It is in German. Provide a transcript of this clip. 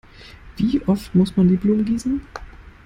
Wie oft muss man die Blumen gießen?